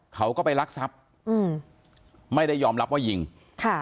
เขาก็ไปรักทรัพย์อืมไม่ได้ยอมรับว่ายิงค่ะ